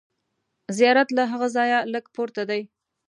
زیارت له هغه ځایه لږ پورته دی.